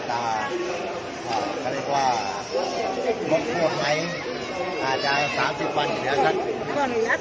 สวัสดีครับพี่เบนสวัสดีครับ